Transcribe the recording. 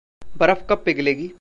बरफ कब पिघलेगी?